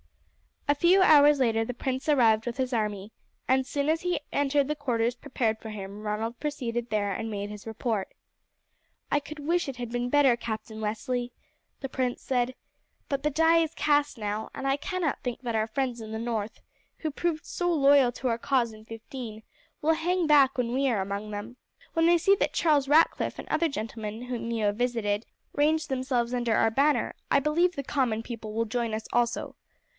A few hours later the prince arrived with his army, and as soon as he entered the quarters prepared for him Ronald proceeded there and made his report. "I could wish it had been better, Captain Leslie," the prince said; "but the die is cast now, and I cannot think that our friends in the north, who proved so loyal to our cause in '15, will hang back when we are among them. When they see that Charles Ratcliff and other gentlemen whom you have visited range themselves under our banner I believe the common people will join us also.